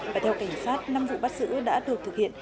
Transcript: và theo cảnh sát năm vụ bắt giữ đã được thực hiện